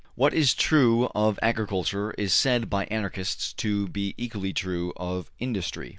What is true of agriculture is said by Anarchists to be equally true of industry.